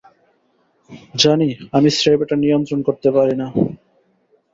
জানি, আমি স্রেফ এটা নিয়ন্ত্রণ করতে পারি না।